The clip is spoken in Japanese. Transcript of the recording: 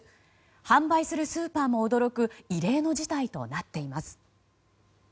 販売するスーパーも驚く異例の事態となっています。